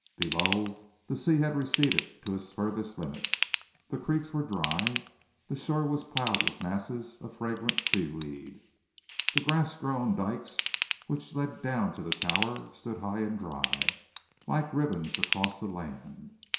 Below, the sea had receded to its furthest limits. The creeks were dry. The shore was piled with masses of fragrant seaweed. The grass grown dykes which led down to the tower stood high and dry, like ribbons across the land.